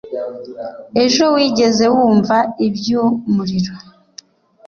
Ejo wigeze wumva iby'umuriro